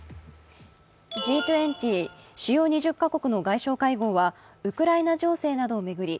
Ｇ２０＝主要２０か国の外相会合はウクライナ情勢などを巡り